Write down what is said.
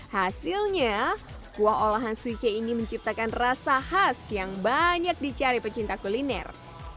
hasilnya kuah olahan suike ini menciptakan rasa khas yang banyak dicari pecinta kuliner